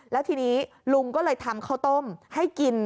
แล้วทีนี้ลุงก็เลยทำข้าวต้มให้กิน